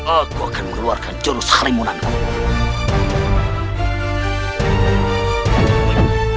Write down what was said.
aku akan meluarkan joros halimunanku